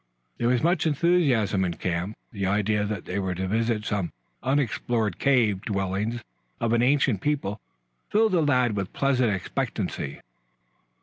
There was much enthusiasm in camp. The idea that they were to visit some unexplored caves, dwellings of an ancient people, filled the lads with pleasant expectancy.